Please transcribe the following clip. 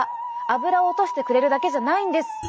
油を落としてくれるだけじゃないんです。